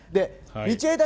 道枝